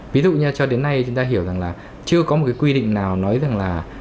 ví dụ như cho đến nay chúng ta hiểu rằng là chưa có một cái quy định nào nói rằng là